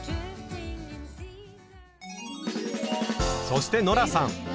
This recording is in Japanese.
そしてノラさん。